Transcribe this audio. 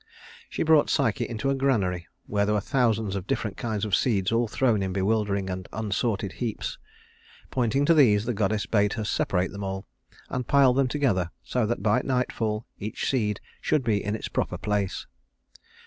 She brought Psyche into a granary, where there were thousands of different kinds of seeds all thrown in bewildering and unsorted heaps. Pointing to these, the goddess bade her separate them all, and pile them together so that by nightfall each seed should be in its proper place.